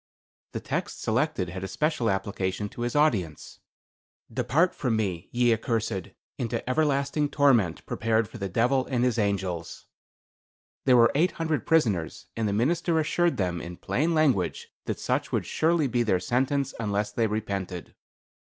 The text selected had a special application to his audience: 'Depart from me ye accursed, into everlasting torment prepared for the Devil and his angels.' There were eight hundred prisoners, and the minister assured them, in plain language, that such would surely be their sentence unless they repented."